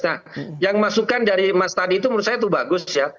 nah yang masukan dari mas tadi itu menurut saya itu bagus ya